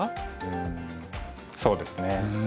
うんそうですね。